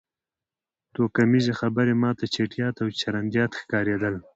توکمیزې خبرې ما ته چټیات او چرندیات ښکارېدل